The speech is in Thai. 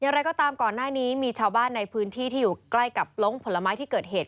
อย่างไรก็ตามก่อนหน้านี้มีชาวบ้านภายใกล้กับหลงผลไม้ที่เกิดเหตุ